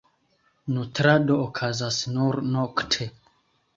Nutrado okazas nur nokte.